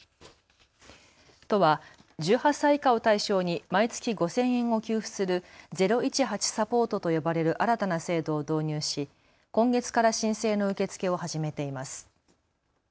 都は１８歳以下を対象に毎月５０００円を給付する０１８サポートと呼ばれる新たな制度を導入し今月から申請の受け付けを始めています。